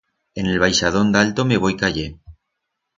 En el baixadón d'alto me voi cayer.